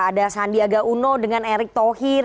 ada sandiaga uno dengan erick thohir